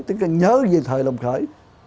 tức là nhớ về thời đồng khởi